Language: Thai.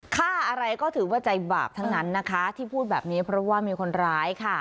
ฆ่าอะไรก็ถือว่าใจบาปทั้งนั้นนะคะที่พูดแบบนี้เพราะว่ามีคนร้ายค่ะ